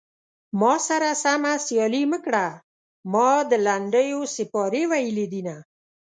ما سره سمه سيالي مه کړه ما د لنډيو سيپارې ويلي دينه